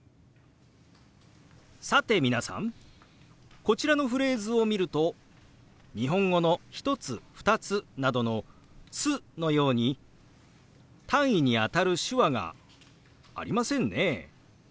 さて皆さんこちらのフレーズを見ると日本語の「１つ」「２つ」などの「つ」のように単位にあたる手話がありませんね。